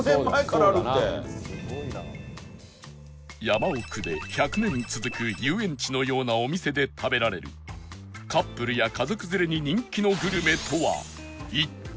山奥で１００年続く遊園地のようなお店で食べられるカップルや家族連れに人気のグルメとは一体